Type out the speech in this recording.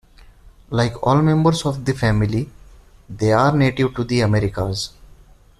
Like all members of the family, they are native to the Americas.